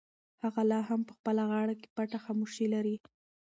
هغه لا هم په خپله غاړه کې پټه خاموشي لري.